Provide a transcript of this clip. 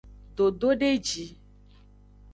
Dododeji.